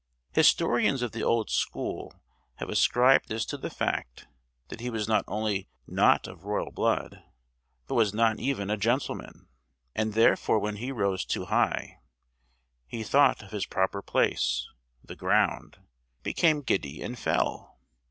Historians of the old school have ascribed this to the fact that he was not only not of royal blood, but was not even a gentleman! and therefore when he rose too high, he thought of his proper place, the ground, became giddy and fell!